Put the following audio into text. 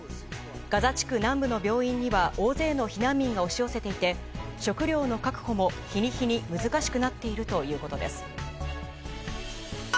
ガザ地区南部の病院には大勢の避難民が押し寄せていて食料の確保も日に日に難しくなっているということです。